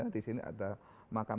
disini ada makanan